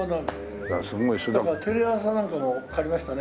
だからテレ朝なんかも借りましたね。